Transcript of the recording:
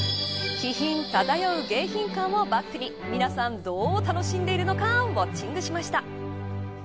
気品漂う迎賓館をバックに皆さん、どう楽しんでいるのかウオッチングしました。